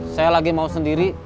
saya lagi mau sendiri